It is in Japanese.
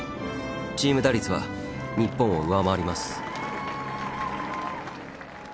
チーム打率は日本を上回ります。